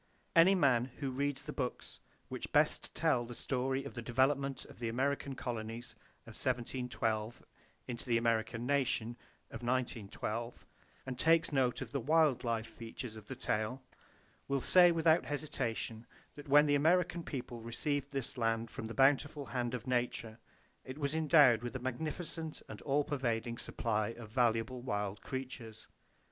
Any man who reads the books which best tell the story of the development of the American colonies of 1712 into the American nation of 1912, and takes due note of the wild life features of the tale, will say without hesitation that when the American people received this land from the bountiful hand of Nature, it was endowed with a magnificent and all pervading supply of valuable wild creatures.